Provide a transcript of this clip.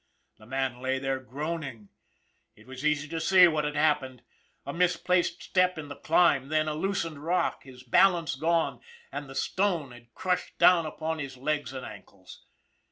The man lay there groaning. It was easy to see what had happened. A misplaced step in the climb, then a loosened rock, his balance gone, and the stone had crashed down upon his legs and ankles.